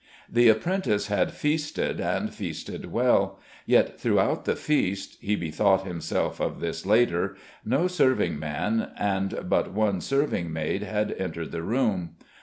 The apprentice had feasted, and feasted well; yet throughout the feast (he bethought himself of this later), no serving man and but one serving maid had entered the room.